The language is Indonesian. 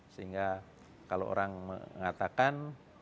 sehingga kalau orang mengatakan